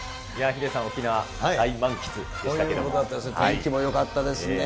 ヒデさん、沖縄、大満喫でし天気もよかったですしね。